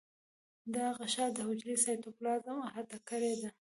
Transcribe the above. دا غشا د حجرې سایتوپلازم احاطه کړی دی.